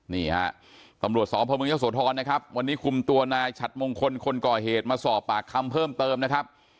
นี่ฮะตำรวจสพเมืองเยอะโสธรนะครับวันนี้คุมตัวนายฉัดมงคลคนก่อเหตุมาสอบปากคำเพิ่มเติมนะครับ